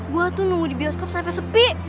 gua tuh nunggu di bioskop sampe sepi